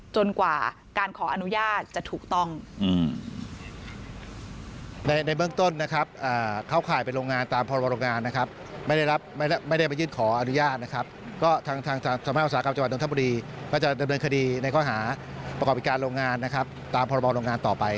กว่าการขออนุญาตจะถูกต้อง